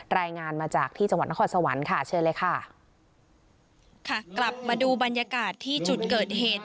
รายงานมาจากที่จังหวัดนครสวรรค์ค่ะเชิญเลยค่ะค่ะกลับมาดูบรรยากาศที่จุดเกิดเหตุ